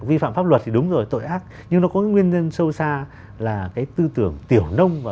vi phạm pháp luật thì đúng rồi tội ác nhưng nó có cái nguyên nhân sâu xa là cái tư tưởng tiểu nông và